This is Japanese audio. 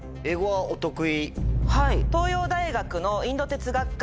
はい。